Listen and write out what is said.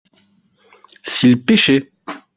S’il pêchait.